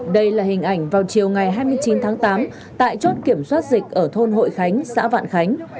đây là hình ảnh vào chiều ngày hai mươi chín tháng tám tại chốt kiểm soát dịch ở thôn hội khánh xã vạn khánh